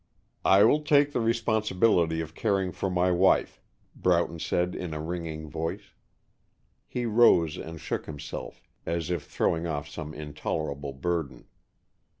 "I will take the responsibility of caring for my wife," Broughton said, in a ringing voice. He rose and shook himself, as if throwing off some intolerable burden.